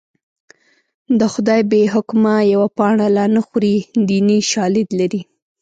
د خدای بې حکمه یوه پاڼه لا نه خوري دیني شالید لري